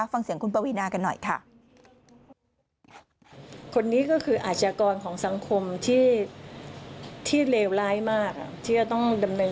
ฟังเสียงคุณปวีนากันหน่อยค่ะ